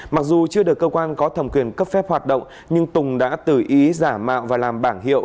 mặc dù chưa được cơ quan có thẩm quyền cấp phép hoạt động nhưng tùng đã tự ý giả mạo và làm bảng hiệu